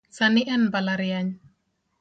Sani en mbalariany.